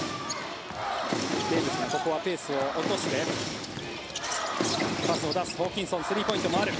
テーブス海はペースを落としてホーキンソンスリーポイントもある。